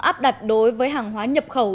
áp đặt đối với hàng hóa nhập khẩu